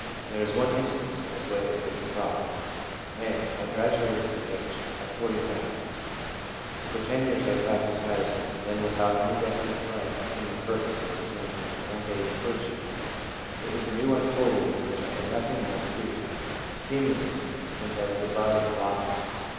There is one instance as late as 55. M. ' I graduated from H at 45 ; for 10 years I practised medicine, then, without any definite plan or human purpose, I became an ordained clergyman. It was a new unfolding in which I had nothing more to do, seemingly, than does the bud in blossoming.